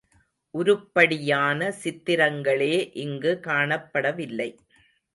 உருப்படியான சித்திரங்களே இங்கு காணப்படவில்லை.